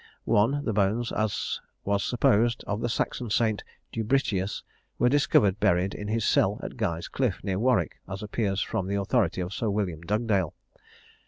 "1. The bones, as was supposed, of the Saxon saint, Dubritius, were discovered buried in his cell at Guy's Cliff, near Warwick; as appears from the authority of Sir William Dugdale.